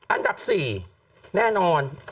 อันดับ๔แน่นอน